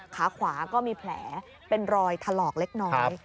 ขาขวาก็มีแผลเป็นรอยถลอกเล็กน้อย